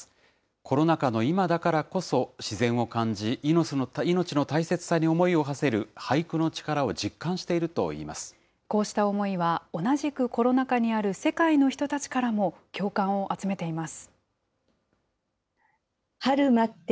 コロナ禍の今だからこそ、自然を感じ、命の大切さに思いをはせる俳句の力を実感しているといいまこうした思いは、同じくコロナ禍にある世界の人たちからも、共感を集めています。